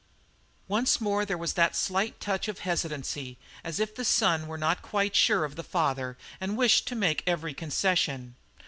Once more there was that slight touch of hesitancy, as if the son were not quite sure of the father and wished to make every concession.